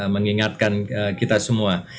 mengingatkan kita semua